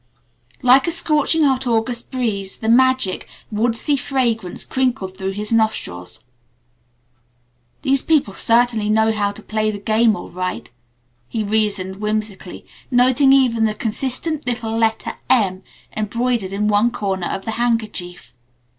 Like a scorching hot August breeze the magic, woodsy fragrance crinkled through his nostrils. "These people certainly know how to play the game all right," he reasoned whimsically, noting even the consistent little letter "M" embroidered in one corner of the handkerchief.